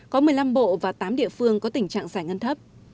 có một mươi năm bộ và tám địa phương có tình trạng giải ngân thấp